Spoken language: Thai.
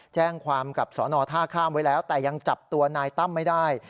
แจ้งความกับสอนอท่าข้ามไว้แล้วแต่ยังจับตัวนายตั้มไม่ได้